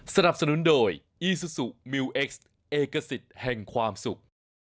สนับสนุนโดยอีซูซูมิวเอ็กซ์เอกสิทธิ์แห่งความสุข